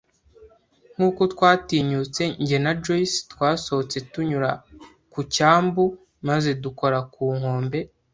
nkuko twatinyutse. Jye na Joyce twasohotse tunyura ku cyambu, maze dukora ku nkombe